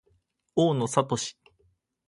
大野智